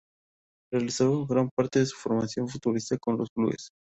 Realizó gran parte de su formación futbolística con los "Blues".